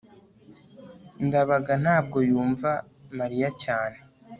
ndabaga ntabwo yumva mariya cyane